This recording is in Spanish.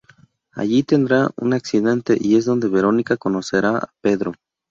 Allí, tendrán un accidente y es donde Veronica conocerá a Pedro.